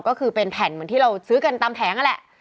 ก็คือเป็นแผ่นเหมือนที่เราซื้อกันตามแผงนั่นแหละ